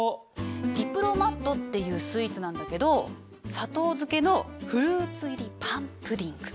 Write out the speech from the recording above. ディプロマットっていうスイーツなんだけど砂糖漬けのフルーツ入りパンプディング。